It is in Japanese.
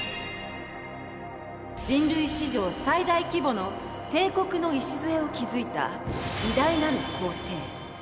人類史上最大規模の帝国の礎を築いた偉大なる皇帝。